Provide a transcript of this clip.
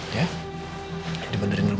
jadi mandarin lu mantel